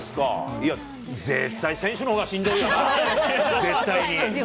いや、絶対、選手のほうがしんどいよな、絶対に。